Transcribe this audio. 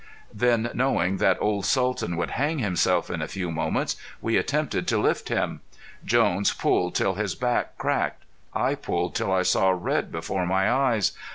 Then, knowing that old Sultan would hang himself in a few moments, we attempted to lift him. Jones pulled till his back cracked; I pulled till I saw red before my eyes.